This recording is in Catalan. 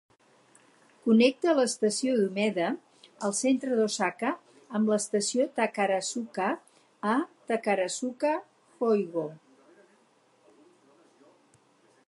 Connecta l'estació de Umeda al centre d'Osaka amb l'estació Takarazuka a Takarazuka, Hyogo.